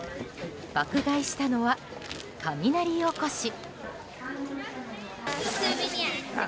爆買いしたのは、雷おこし。